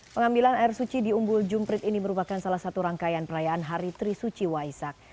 pengambilan air suci di umbul jumprit ini merupakan salah satu rangkaian perayaan hari trisuci waisak